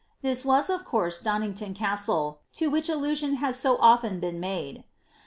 This was of course JDonuiiigton Castle, to which allusion has so oAen been made.